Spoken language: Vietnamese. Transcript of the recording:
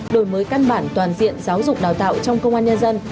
đổi mới căn bản toàn diện giáo dục đào tạo trong công an nhân dân